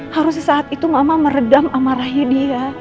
harusnya saat itu mama meredam amarahnya dia